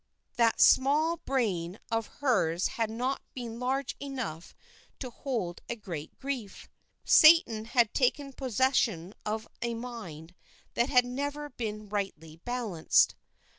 That small brain of hers had not been large enough to hold a great grief. Satan had taken possession of a mind that had never been rightly balanced.